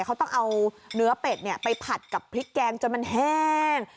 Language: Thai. เขาต้องเอาเนื้อเป็ดไปผัดกับพริกแกงจนมันแห้ง